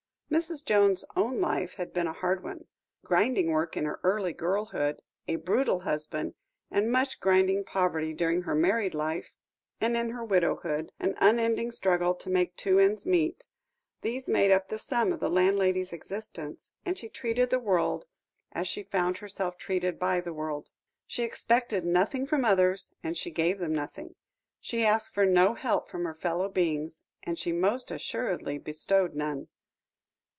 Mrs. Jones's own life had been a hard one. Grinding work in her early girlhood, a brutal husband, and much grinding poverty during her married life, and in her widowhood an unending struggle to make two ends meet; these made up the sum of the landlady's existence, and she treated the world as she found herself treated by the world. She expected nothing from others, and she gave them nothing. She asked for no help from her fellow beings, and she most assuredly bestowed none.